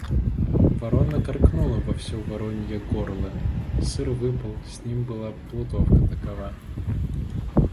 Ворона каркнула во всё воронье горло: сыр выпал — с ним была плутовка такова.